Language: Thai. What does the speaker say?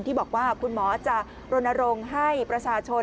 ที่บอกว่าคุณหมอจะรณรงค์ให้ประชาชน